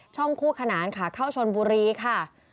คู่ขนานขาเข้าชนบุรีค่ะ